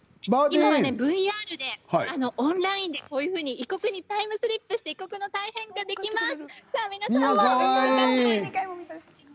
今はＶＲでオンラインでこういうふうに異国にタイムトリップして異国の体験ができます。